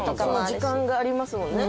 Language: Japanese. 時間がありますもんね。